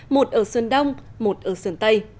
một ở sơn đông một ở sơn tây